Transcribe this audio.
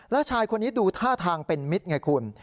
แล้วชายคนนี้ดูท่าทางเป็นมิตรไงคุณ